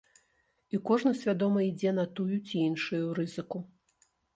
І кожны свядома ідзе на тую ці іншую рызыку.